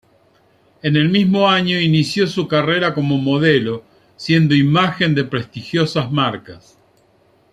En el mismo año inició su carrera como Modelo, siendo imagen de prestigiosas marcas.